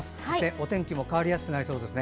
お天気も変わりやすくなりそうです。